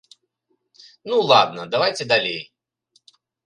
Ну, ладна, давайце далей.